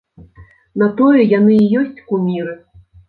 На тое яны і ёсць куміры.